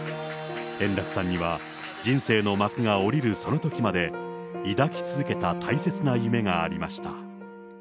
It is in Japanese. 円楽さんには、人生の幕が下りるそのときまで抱き続けた大切な夢がありました。